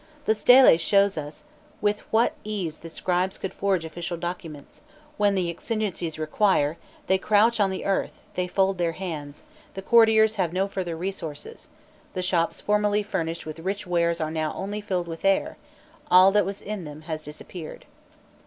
The stele shows us with what ease the scribes could forge official documents, when the exigencies of they crouch on the earth, they fold their hands; the courtiers have no further resources; the shops formerly furnished with rich wares are now filled only with air, all that was in them has disappeared.